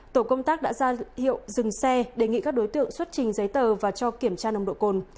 tổ công tác đã ra hiệu dừng xe đề nghị các đối tượng xuất trình giấy tờ và cho kiểm tra nồng độ cồn